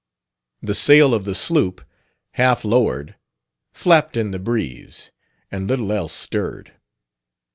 The sail of the sloop, half lowered, flapped in the breeze, and little else stirred.